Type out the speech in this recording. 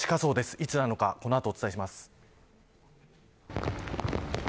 いつなのかこの後お伝えします。